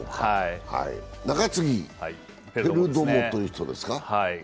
中継ぎ、ペルドモはどうですか。